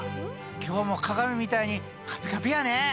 今日も鏡みたいにカピカピやね！